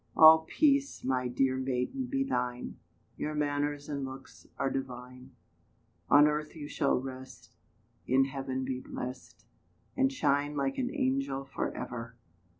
All peace, my dear maiden, be thine: Your manners and looks are divine; On earth you shall rest, In heaven be blest, And shine like an angel for ever.